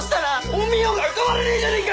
お美代が浮かばれねぇじゃねぇか！